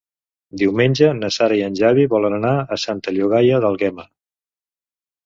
Diumenge na Sara i en Xavi volen anar a Santa Llogaia d'Àlguema.